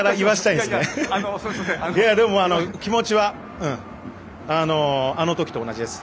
でも、気持ちはあの時と同じです。